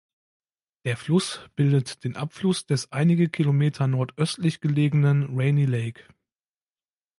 Der Fluss bildet den Abfluss des einige Kilometer nordöstlich gelegenen Rainy Lake.